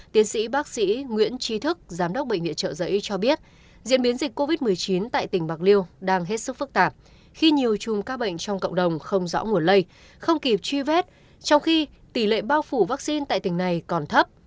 trí thức giám đốc bệnh viện trợ giấy cho biết diễn biến dịch covid một mươi chín tại tỉnh bạc liêu đang hết sức phức tạp khi nhiều chùm ca bệnh trong cộng đồng không rõ nguồn lây không kịp truy vết trong khi tỷ lệ bao phủ vaccine tại tỉnh này còn thấp